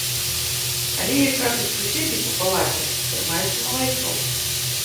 Але, як кажуць суседзі па палаце, трымаецца малайцом.